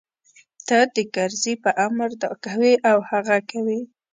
ته د کرزي په امر دا کوې او هغه کوې.